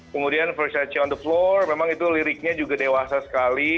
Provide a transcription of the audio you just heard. kemudian versage on the floor memang itu liriknya juga dewasa sekali